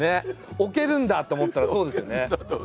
置けるんだ！って思ったらそうですよね。